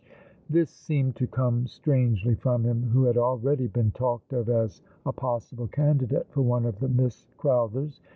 ,' This seemed to come strangely from him who had already been talked of as a possible candidate for one of the Miss Crowthers.